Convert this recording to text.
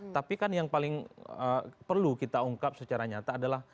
tapi kan yang paling perlu kita ungkap secara nyata adalah